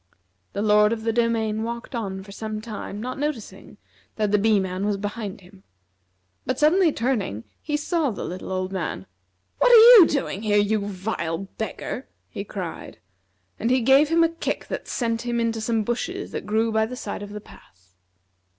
The Lord of the Domain walked on for some time, not noticing that the Bee man was behind him. But suddenly turning, he saw the little old man. "What are you doing here, you vile beggar?" he cried; and he gave him a kick that sent him into some bushes that grew by the side of the path.